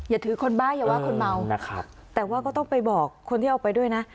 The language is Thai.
อย่าถือคนบ้าอย่าว่าคนเมานะครับแต่ว่าก็ต้องไปบอกคนที่เอาไปด้วยนะ